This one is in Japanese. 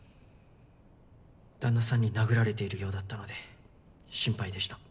旦那さんに殴られているようだったので心配でした。